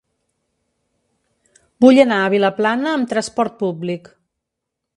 Vull anar a Vilaplana amb trasport públic.